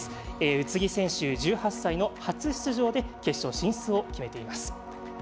宇津木選手、１８歳の初出場で決勝進出を決めています。